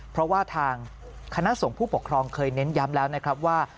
เพราะว่าทางคณะสงฆ์ผู้ปกครองเคยเน้นย้ำแล้วนะครับว่า